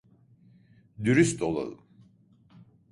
Dürüst olalım.